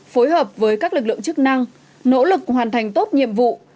phối hợp với các lực lượng chức năng nỗ lực hoàn thành tốt nhiệm vụ